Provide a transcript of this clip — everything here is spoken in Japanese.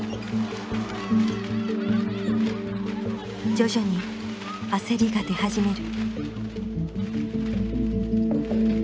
徐々に焦りが出始める。